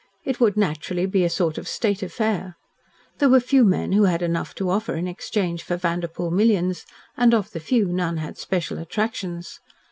It would naturally be a sort of state affair. There were few men who had enough to offer in exchange for Vanderpoel millions, and of the few none had special attractions.